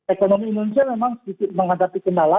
ekonomi indonesia memang sedikit menghadapi kendala